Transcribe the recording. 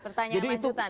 pertanyaan lanjutan ya